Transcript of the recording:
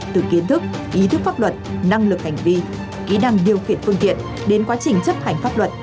từ kiến thức ý thức pháp luật năng lực hành vi kỹ năng điều khiển phương tiện đến quá trình chấp hành pháp luật